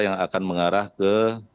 yang akan mengarah ke